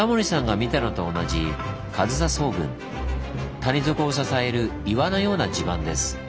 谷底を支える岩のような地盤です。